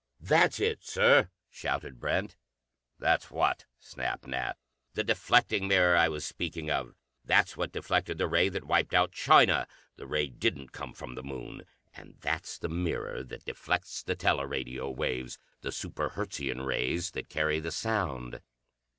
"That's it, Sir!" shouted Brent. "That's what?" snapped Nat. "The deflecting mirror I was speaking of. That's what deflected the ray that wiped out China. The ray didn't come from the Moon. And that's the mirror that deflects the teleradio waves, the super Hertzian rays that carry the sound."